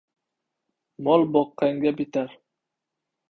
Mol boqqanga bitar.